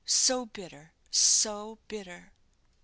so bitter! so bitter!"